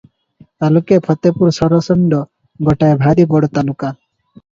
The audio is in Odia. ତାଲୁକେ ଫତେପୁର ସରଷଣ୍ତ ଗୋଟାଏ ଭାରି ବଡ଼ ତାଲୁକା ।